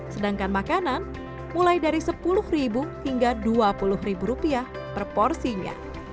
sedangkan makanan mulai dari sepuluh hingga dua puluh rupiah per porsinya